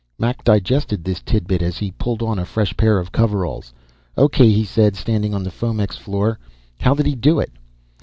Mac digested this tidbit as he pulled on a fresh pair of coveralls. "O.K.," he said, standing on the foamex "floor." "How did he do it?"